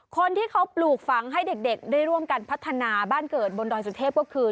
คนที่เขาปลูกฝังให้เด็กได้ร่วมกันพัฒนาบ้านเกิดบนดอยสุเทพก็คือ